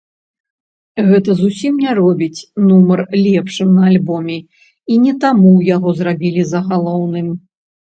Гэта зусім не робіць нумар лепшым на альбоме, і не таму яго зрабілі загалоўным.